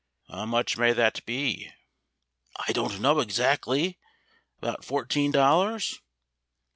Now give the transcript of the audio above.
"How much may that be?" "I don't know exactly, about fourteen dollars."